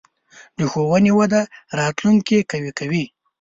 د ښوونې وده راتلونکې قوي کوي.